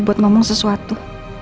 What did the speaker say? buat ngomong sesuatu